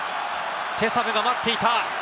チェサムが待っていた。